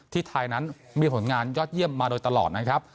ไทยนั้นมีผลงานยอดเยี่ยมมาโดยตลอดนะครับ